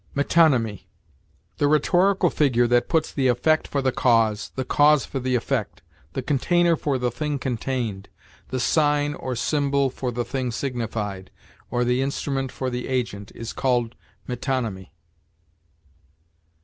METONYMY. The rhetorical figure that puts the effect for the cause, the cause for the effect, the container for the thing contained, the sign, or symbol, for the thing signified, or the instrument for the agent, is called metonymy.